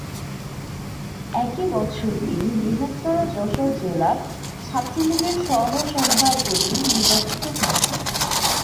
একই বছর তিনি বৃহত্তর যশোর জেলা ছাত্রলীগের সহসভাপতি নির্বাচিত হন।